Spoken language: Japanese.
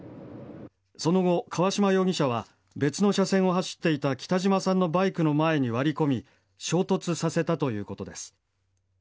その後、川島容疑者は、別の車線を走っていた北島さんのバイクの前に割り込み、衝突させたということです。